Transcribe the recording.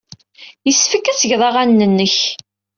Yessefk ad tged aɣanen-nnek.